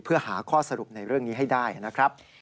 เพื่อหาข้อสรุปในเรื่องนี้ให้ได้นะครับ